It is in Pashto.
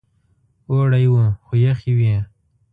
اوړی و خو یخې وې.